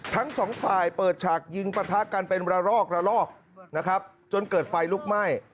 ทั้งสองฝ่ายเปิดฉากยิงปะทะกันเป็นระลอกระลอกนะครับจนเกิดไฟลุกไหม้